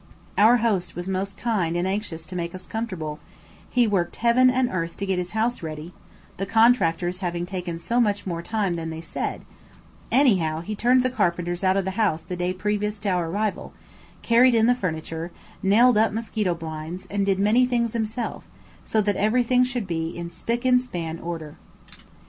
Our host was most kind and anxious to make us comfortable; he worked heaven and earth to get his house ready, the contractors having taken so much more time than they said; anyhow, he turned the carpenters out of the house the day previous to our arrival, carried in the furniture, nailed up mosquito blinds, and did many things himself, so that everything should be in spick and span order.